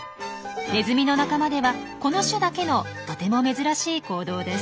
ネズミの仲間ではこの種だけのとても珍しい行動です。